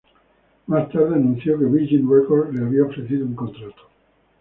Más tarde anunció que Virgin Records le había ofrecido un contrato.